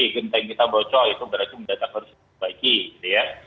genteng kita bocoh itu berarti mendata harus diperbaiki gitu ya